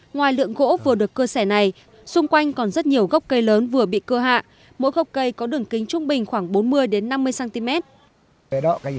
ngoài lượng gỗ vừa được cơ sẻ này xung quanh còn rất nhiều gốc cây lớn vừa bị cưa hạ mỗi gốc cây có đường kính trung bình khoảng bốn mươi năm mươi cm